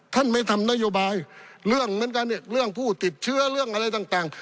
ไม่ทำนโยบายเรื่องเหมือนกันเนี่ยเรื่องผู้ติดเชื้อเรื่องอะไรต่าง